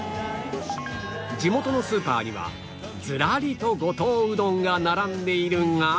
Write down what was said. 地元のスーパーにはずらりと五島うどんが並んでいるが